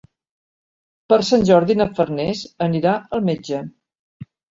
Per Sant Jordi na Farners anirà al metge.